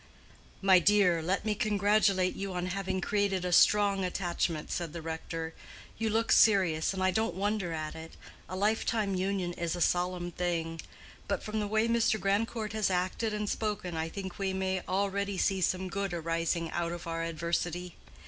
"My dear, let me congratulate you on having created a strong attachment," said the rector. "You look serious, and I don't wonder at it: a life long union is a solemn thing. But from the way Mr. Grandcourt has acted and spoken I think we may already see some good arising out of our adversity.